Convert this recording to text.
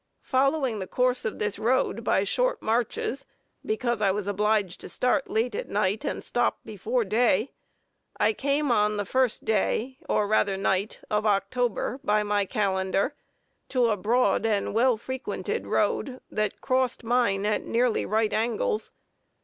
Following the course of this road by short marches, because I was obliged to start late at night and stop before day, I came on the first day, or rather night, of October, by my calendar, to a broad and well frequented road that crossed mine at nearly right angles.